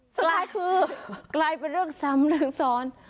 สไลด์คือกลายเป็นเรื่องซ้ำเรื่องซ้อน